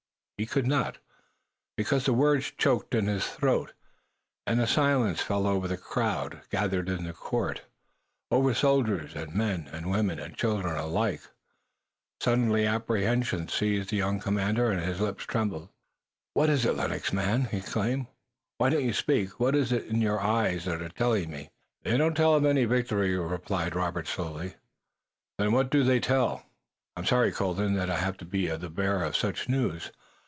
He could not, because the words choked in his throat, and a silence fell over the crowd gathered in the court, over soldiers and men and women and children alike. A sudden apprehension seized the young commander and his lips trembled. "What is it, Lennox, man?" he exclaimed. "Why don't you speak? What is it that your eyes are telling me?" "They don't tell of any victory," replied Robert slowly. "Then what do they tell?" "I'm sorry, Colden, that I have to be the bearer of such news.